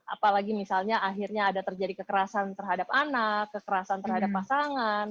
apalagi misalnya akhirnya ada terjadi kekerasan terhadap anak kekerasan terhadap pasangan